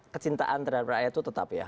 kecintaan terhadap rakyat itu tetap ya